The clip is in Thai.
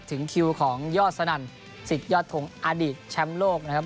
ถึงคิวของยอดสนั่นสิทธิยอดทงอดีตแชมป์โลกนะครับ